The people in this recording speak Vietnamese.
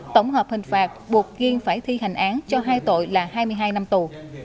tổng hợp hình phạt buộc kiên phải thi hành án cho hai tội là hai mươi hai năm tù